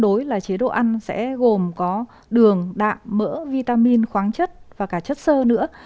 trong dịp lễ tết những cái chế độ ăn cân đối là chế độ ăn sẽ gồm có đường đạm mỡ vitamin khoáng chất và cả chất sơ nữa